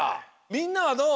みんなはどう？